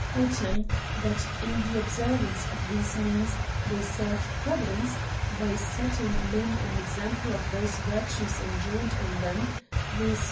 Item^ That in the observance of these means they served Providence, by setting men an example of those virtues enjoined on them, viz.